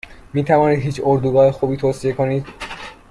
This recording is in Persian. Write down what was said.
میتوانید هیچ اردوگاه خوبی توصیه کنید؟